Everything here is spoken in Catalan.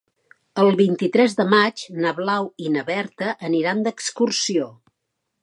El vint-i-tres de maig na Blau i na Berta aniran d'excursió.